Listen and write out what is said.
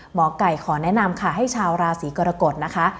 หมอไก่ขอแนะนำค่ะให้ชาวราศีกรกฎนะคะ